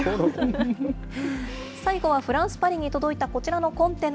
最後はフランス・パリに届いた、こちらのコンテナ。